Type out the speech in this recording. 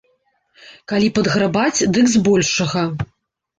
Калі падграбаць, дык збольшага.